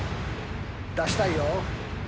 出したいよ。